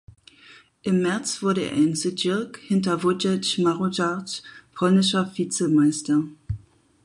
Im März wurde er in Szczyrk hinter Wojciech Marusarz polnischer Vizemeister.